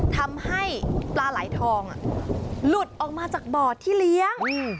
ทำให้ปลาไหลทองหลุดออกมาจากบ่อที่เลี้ยง